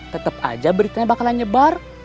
tetap aja beritanya bakalan nyebar